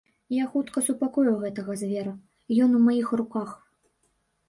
Я хутка супакою гэтага звера, ён у маіх руках.